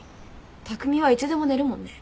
匠はいつでも寝るもんね。